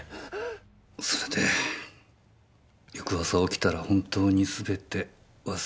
それで翌朝起きたら本当にすべて忘れていた。